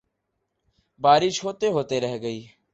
بارش ہوتے ہوتے رہ گئی